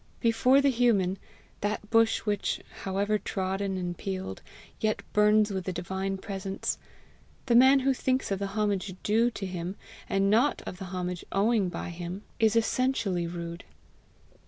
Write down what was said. Before the human that bush which, however trodden and peeled, yet burns with the divine presence the man who thinks of the homage due to him, and not of the homage owing by him, is essentially rude.